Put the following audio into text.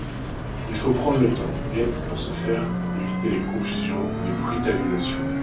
Il faut prendre le temps et, pour ce faire, éviter les confusions et les brutalisations.